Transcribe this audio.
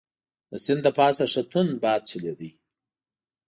د سیند له پاسه ښه توند باد چلیده.